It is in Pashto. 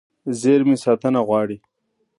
زېرمې ساتنه غواړي.